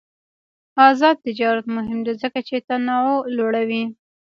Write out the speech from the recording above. آزاد تجارت مهم دی ځکه چې تنوع لوړوی.